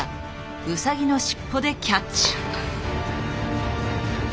ウサギの尻尾でキャッチ。